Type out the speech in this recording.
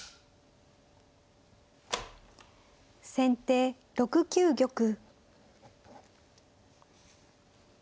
先手６九玉。